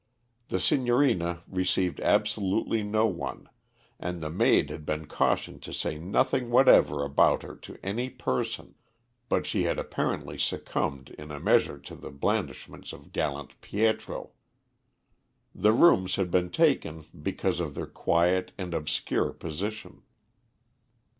The Signorina received absolutely no one, and the maid had been cautioned to say nothing whatever about her to any person; but she had apparently succumbed in a measure to the blandishments of gallant Pietro. The rooms had been taken because of their quiet and obscure position.